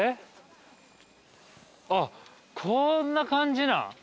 あっこんな感じなん？